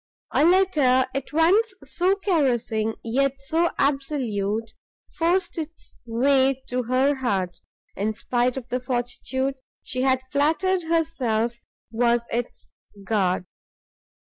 A letter at once so caressing, yet so absolute, forced its way to her heart, in spite of the fortitude she had flattered herself was its guard.